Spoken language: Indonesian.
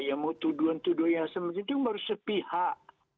yang mau tuduh tuduh yang sempurna itu harus sepihak